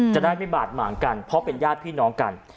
จะได้ไม่บาดหมางกันเพราะเป็นญาติพี่น้องกัน